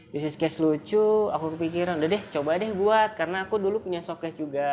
bisnis case lucu aku kepikiran udah deh coba deh buat karena aku dulu punya shock cash juga